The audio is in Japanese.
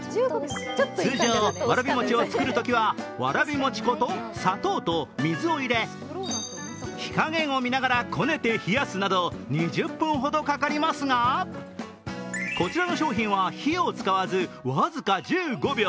通常、わらび餅を作るときはわらび餅粉と砂糖と水を入れ火加減を見ながら、こねて冷やすなど２０分ほどかかりますが、こちらの商品は火を使わず僅か１５秒。